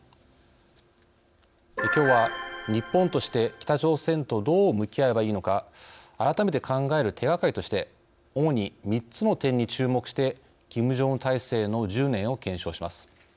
きょうは日本として北朝鮮とどう向き合えばいいのか改めて考える手がかりとして主に３つの点に注目してキム・ジョンウン体制の１０年を検証します。